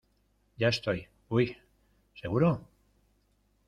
ya estoy. ¡ uy! ¿ seguro?